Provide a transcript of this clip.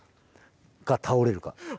か倒れるか。